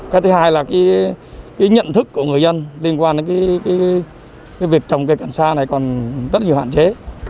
cái thứ hai là cái nhận thức của người dân liên quan đến việc trồng cây cận sa này còn rất nhiều hạn chế